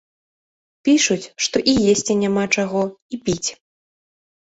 Пішуць, што і есці няма чаго, і піць.